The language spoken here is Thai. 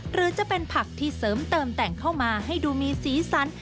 หรือจะเป็นผักที่เสริมเติมแต่งเข้ามาให้ดูมีสีสัน